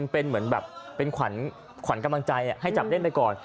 เป็นเหมือนแบบเป็นขวัญกำลังใจให้จับเล่นไปก่อน